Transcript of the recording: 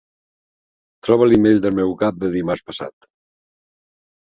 Troba l'email del meu cap de dimarts passat.